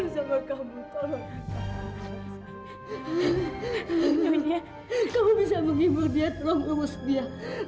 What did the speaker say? nyonya kamu bisa mengimur dia tolong urus dia